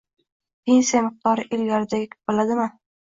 pensiya miqdori ilgarigidek bo‘ladimi?